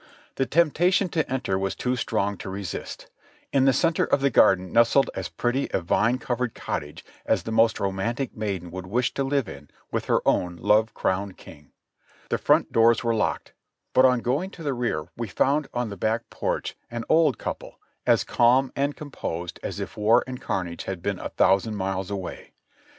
The temptation to enter was too strong to resist; in the center of the garden nestled as pretty a vine cov ered cottage as the most romantic maiden would wish to live in v/ith her own love crowned king ; the front doors were locked, but on going to the rear we found on the back porch an old couple, as calm and composed as if war and carnage had been a thousand miles away.